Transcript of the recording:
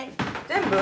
全部？